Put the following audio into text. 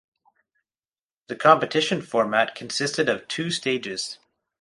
The competition format consisted of two stages.